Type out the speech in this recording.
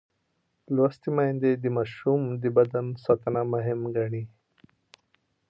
لوستې میندې د ماشوم د بدن ساتنه مهم ګڼي.